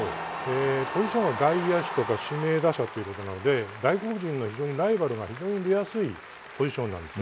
ポジションは外野手とか指名打者ということなので外国人のライバルが非常に出やすいポジションなんです。